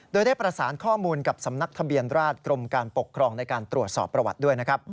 โดยได้ประสานข้อมูลกับสำนักทะเบียนราชกรมการปกครองในการตรวจสอบประวัติด้วยนะครับ